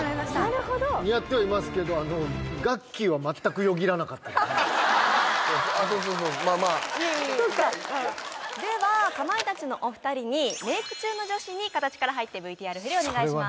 なるほど似合ってはいますけどそっかではかまいたちのお二人にメイク中の女子に形から入ってＶＴＲ振りお願いします